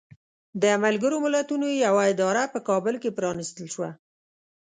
د ملګرو ملتونو یوه اداره په کابل کې پرانستل شوه.